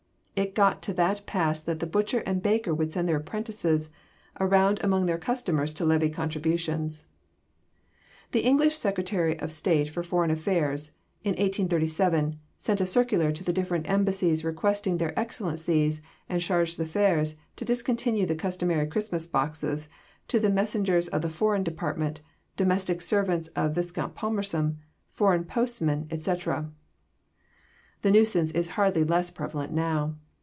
It got to that pass that the butcher and baker would send their apprentices around among their customers to levy contributions. The English Secretary of State for Foreign Affairs, in 1837, sent a circular to the different embassies requesting their excellencies and chargés d'affaires to discontinue the customary Christmas boxes to the 'messengers of the Foreign Department, domestic servants of Viscount Palmerston, foreign postmen, etc.' The nuisance is hardly less prevalent now.